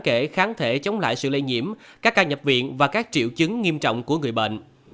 kể kháng thể chống lại sự lây nhiễm các ca nhập viện và các triệu chứng nghiêm trọng của người bệnh